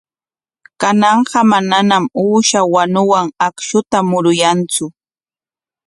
Kananqa manañam uusha wanuwan akshuta muruyantsu.